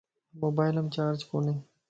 موبائلم چارج ڪوني